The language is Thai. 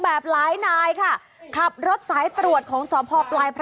บ้าจริงเดี๋ยวเดี๋ยวเดี๋ยวเดี๋ยว